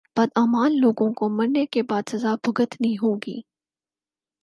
بداعمال لوگوں کو مرنے کے بعد سزا بھگتنی ہوگی